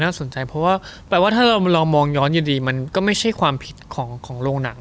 สนใจเพราะว่าแปลว่าถ้าเรามองย้อนดีมันก็ไม่ใช่ความผิดของโรงหนัง